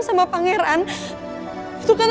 udah kasi prakara nik injuries itu